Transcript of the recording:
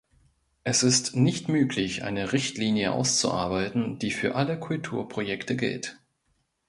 Es ist nicht möglich, eine Richtlinie auszuarbeiten, die für alle Kulturprojekte gilt.